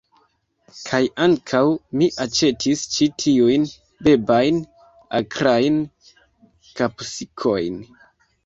Kaj ankaŭ, mi aĉetis ĉi tiujn bebajn akrajn kapsikojn.